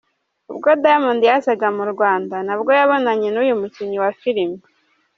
Ubwo Diamond yazaga mu Rwanda nabwo yabonanye n'uyu mukinnyi wa filime.